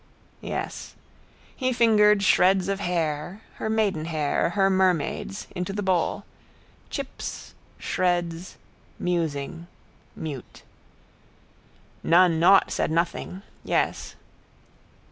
Yes. He fingered shreds of hair, her maidenhair, her mermaid's, into the bowl. Chips. Shreds. Musing. Mute. None nought said nothing. Yes.